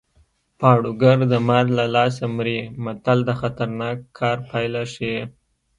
پاړوګر د مار له لاسه مري متل د خطرناک کار پایله ښيي